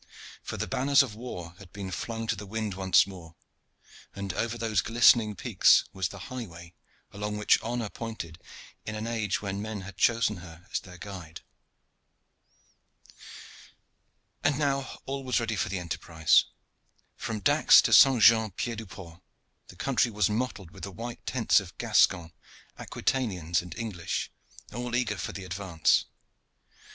For the banners of war had been flung to the wind once more, and over those glistening peaks was the highway along which Honor pointed in an age when men had chosen her as their guide. And now all was ready for the enterprise. From Dax to St. Jean Pied du Port the country was mottled with the white tents of Gascons, Aquitanians and English, all eager for the advance.